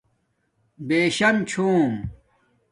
بِشݳم چھُݹم